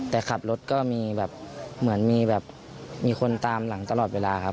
แต่ขับรถก็มีแบบเหมือนมีแบบมีคนตามหลังตลอดเวลาครับ